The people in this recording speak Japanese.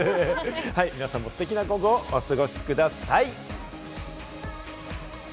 皆さんもステキな午後をお過ごしください。